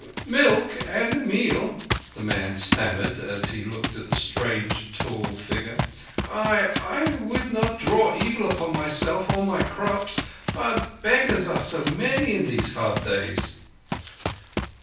"Milk and a meal." the man stammered, as he looked at the strange tall figure. "I—I would not draw evil upon myself—or my crops. But beggars are so many in these hard days."